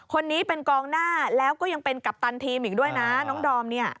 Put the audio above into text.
คนนี้เป็นกองหน้าแล้วก็ยังเป็นกัปตันทีมอีกด้วยนะน้องดอมเนี่ย